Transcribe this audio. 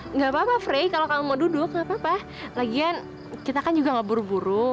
nggak apa apa frey kalau kamu mau duduk gak apa apa lagian kita kan juga gak buru buru